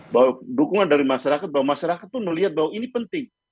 bahwa dukungan dari masyarakat bahwa masyarakat itu melihat bahwa ini penting